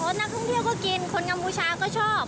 หรือคะโอ๊ยนักท่องเที่ยวก็กินคนกัมบูชาก็ชอบ